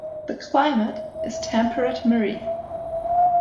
The climate is temperate marine.